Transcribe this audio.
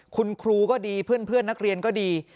คุณครูก็ดีเพื่อนนักเรียนก็ดี